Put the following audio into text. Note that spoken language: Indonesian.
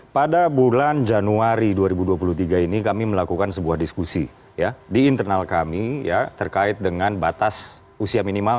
pada bulan januari dua ribu dua puluh tiga ini kami melakukan sebuah diskusi di internal kami ya terkait dengan batas usia minimal